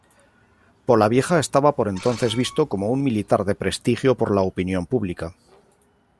Polavieja estaba por entonces visto como un militar de prestigio por la opinión pública.